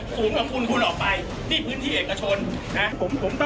สูงกับคุณคุณออกไป